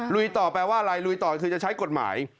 ลุยต่อแปลว่าอะไรลุยต่อคือจะใช้กฎหมาย